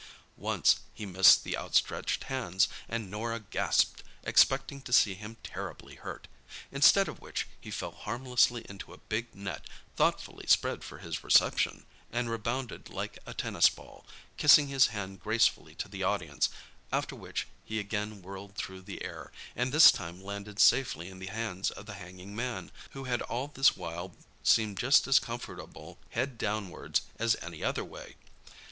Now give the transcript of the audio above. Once he missed the outstretched hands, and Norah gasped expecting to see him terribly hurt—instead of which he fell harmlessly into a big net thoughtfully spread for his reception, and rebounded like a tennis ball, kissing his hand gracefully to the audience, after which he again whirled through the air, and this time landed safely in the hands of the hanging man, who had all this while seemed just as comfortable head downwards as any other way.